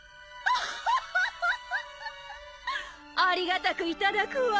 ありがたくいただくわ！